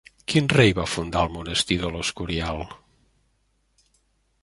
Quin rei va fundar el monestir de l'Escorial?